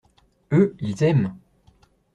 Eux, ils aiment.